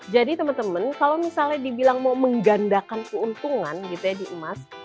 jadi teman teman kalau misalnya dibilang mau menggandakan keuntungan gitu ya di emas